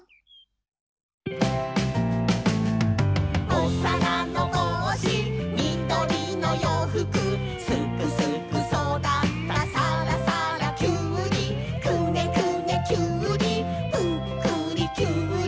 「おさらのぼうしみどりのようふく」「すくすくそだったさらさらキュウリ」「くねくねキュウリぷっくりキュウリ」